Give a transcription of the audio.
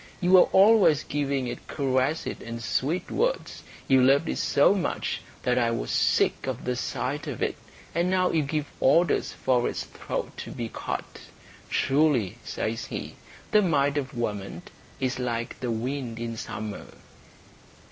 You were always giving it caresses and sweet words. You loved it so much that I was sick of the sight of it, and now you give orders for its throat to be cut. Truly," says he, "the mind of woman is like the wind in summer."